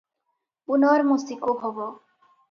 -ପୁନର୍ମୂଷିକୋଭବ ।"